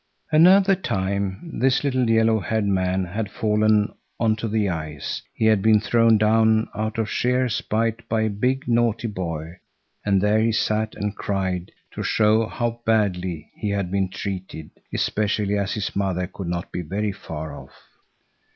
Another time this little yellow haired man had fallen on the ice; he had been thrown down out of sheer spite by a big, naughty boy, and there he sat and cried to show how badly he had been treated, especially as his mother could not be very far off.